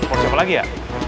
telepon siapa lagi ya